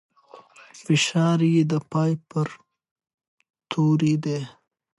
فشار يې د پای پر توري دی.